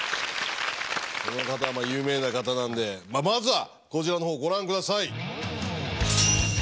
この方は有名な方なんでまあまずはこちらの方ご覧下さい。